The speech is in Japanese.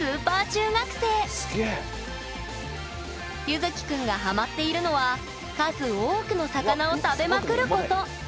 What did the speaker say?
ゆずきくんがハマっているのは数多くの魚を食べまくること！